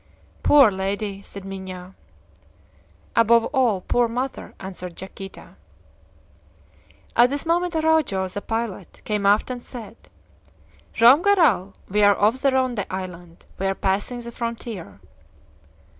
"Poor lady!" said Minha. "Above all, poor mother!" answered Yaquita. At this moment Araujo, the pilot, came aft and said: "Joam Garral, we are off the Ronde Island. We are passing the frontier!"